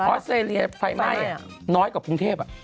อสเตรเลียไฟไหม้น้อยกว่ากรุงเทพ